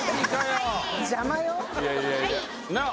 邪魔よ？